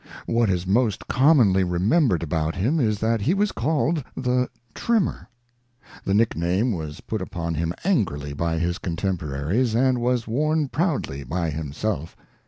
What is most commonly remembered about him is that he was called the ' Trimmer '. The nickname was put upon him angrily by his contemporaries, and was worn proudly by himself.